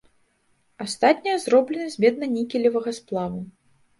Астатнія зроблены з медна-нікелевага сплаву.